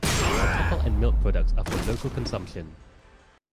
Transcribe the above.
The cattle and milk products are for local consumption.